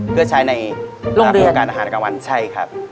เพื่อใช้ในโครงการอาหารกลางวันใช่ครับ